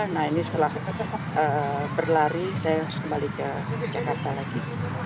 nah ini setelah berlari saya harus kembali ke jakarta lagi